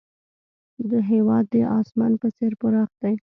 هېواد د اسمان په څېر پراخ دی.